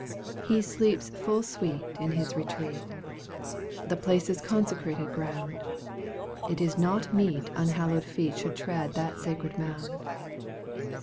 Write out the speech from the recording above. He sleeps full sweet in his retreat The place is consecrated ground, It is not meet unhallowed feet Should tread that sacred mound.